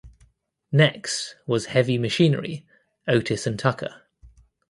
Next was Heavy Machinery (Otis and Tucker).